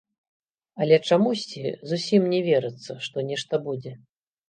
Але чамусьці зусім не верыцца, што нешта будзе.